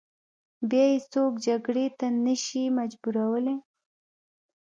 بیا یې څوک جګړې ته نه شي مجبورولای.